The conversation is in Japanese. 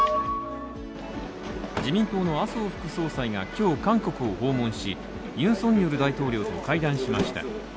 自民党の麻生副総裁が今日韓国を訪問しユン・ソンニョル大統領と会談しました。